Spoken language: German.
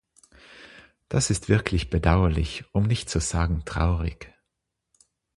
Das ist wirklich bedauerlich, um nicht zu sagen traurig.